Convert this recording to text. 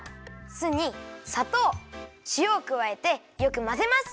酢にさとうしおをくわえてよくまぜます！